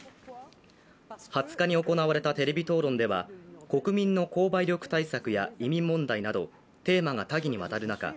２０日に行われたテレビ討論では国民の購買力対策や移民問題などテーマが多岐にわたる中